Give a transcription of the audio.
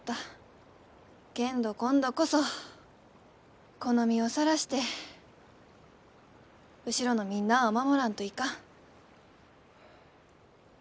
けんど今度こそこの身をさらして後ろのみんなあを守らんといかん。